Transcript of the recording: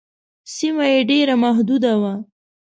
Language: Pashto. سیمه یې ډېره محدوده وه.